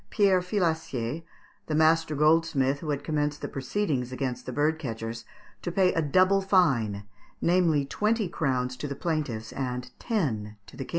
] Pierre Filacier, the master goldsmith who had commenced the proceedings against the bird catchers, to pay a double fine, namely, twenty crowns to the plaintiffs and ten to the King.